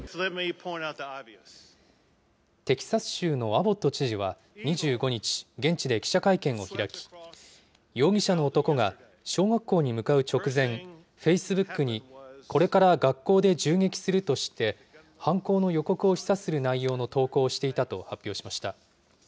テキサス州のアボット知事は２５日、現地で記者会見を開き、容疑者の男が小学校に向かう直前、フェイスブックに、これから学校で銃撃するとして、犯行の予告を示唆する内容の投稿をしていたと発表しました。